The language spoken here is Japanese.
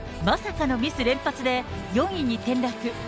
まさかのミス連発で４位に転落。